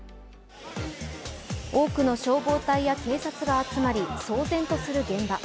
多くの消防隊や警察が集まり騒然とする現場。